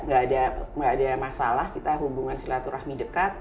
nggak ada masalah kita hubungan silaturahmi dekat